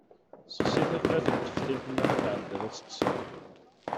Sexsi tafat n teftilt mi ara tɛeddiḍ ad teṭṭseḍ.